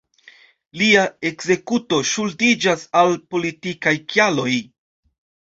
Lia ekzekuto ŝuldiĝas al politikaj kialoj.